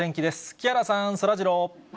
木原さん、そらジロー。